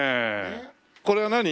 これは何？